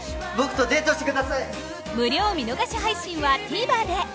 無料見逃し配信は ＴＶｅｒ で